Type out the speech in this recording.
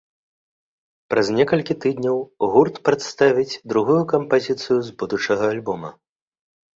Праз некалькі тыдняў гурт прадставіць другую кампазіцыю з будучага альбома.